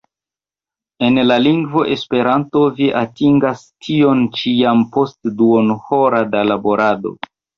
En la lingvo Esperanto vi atingas tion ĉi jam post duonhoro da laborado!